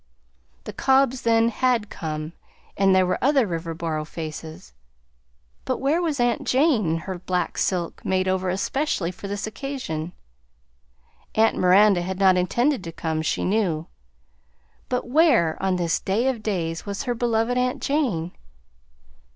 The Cobbs, then, had come, and there were other Riverboro faces, but where was aunt Jane, in her black silk made over especially for this occasion? Aunt Miranda had not intended to come, she knew, but where, on this day of days, was her beloved aunt Jane?